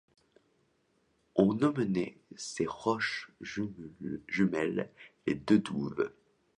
On nommait ces roches jumelles les deux Douvres.